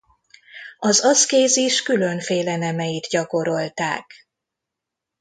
Az aszkézis különféle nemeit gyakorolták.